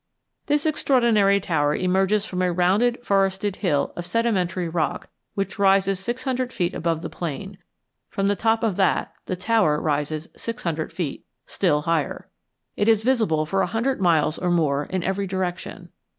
This extraordinary tower emerges from a rounded forested hill of sedimentary rock which rises six hundred feet above the plain; from the top of that the tower rises six hundred feet still higher. It is visible for a hundred miles or more in every direction.